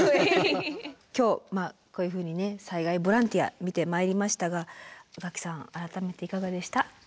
今日こういうふうに災害ボランティア見てまいりましたが宇垣さん改めていかがでした？